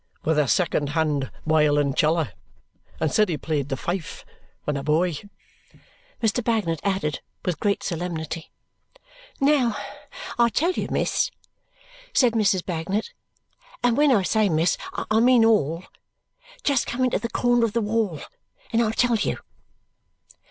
"With a second hand wiolinceller. And said he played the fife. When a boy," Mr. Bagnet added with great solemnity. "Now, I tell you, miss," said Mrs. Bagnet; "and when I say miss, I mean all! Just come into the corner of the wall and I'll tell you!"